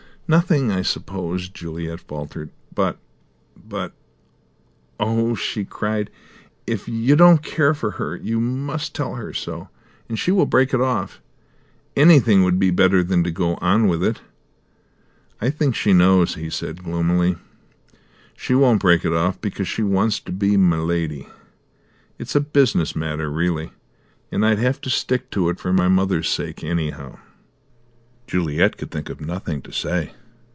"Nothing, I suppose," Juliet faltered. "But but Oh," she cried, "if you don't care for her, you must tell her so, and she will break it off. Anything would be better than to go on with it!" "I think she knows," he answered gloomily. "She won't break it off, because she wants to be 'my Lady,' It's a business matter, really. And I'd have to stick to it for my mother's sake, anyhow." Juliet could think of nothing to say.